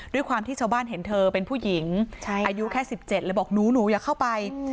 ด้วยความที่ชาวบ้านเห็นเธอเป็นผู้หญิงอายุแค่๑๗เลยบอกหนูอย่าเข้าไป